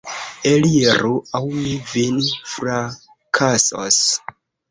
Eliru, aŭ mi vin frakasos!